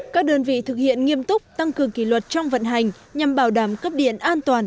các đơn vị thực hiện nghiêm túc tăng cường kỷ luật trong vận hành nhằm bảo đảm cấp điện an toàn